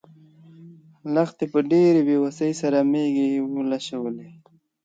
لښتې په ډېرې بې وسۍ سره مېږه ولوشله.